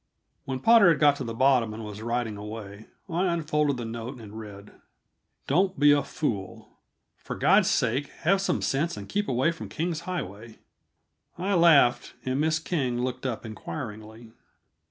When Potter had got to the bottom and was riding away, I unfolded the note and read: Don't be a fool. For God's sake, have some sense and keep away from King's Highway. I laughed, and Miss King looked up inquiringly.